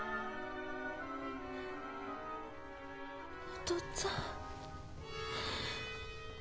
お父っつぁん。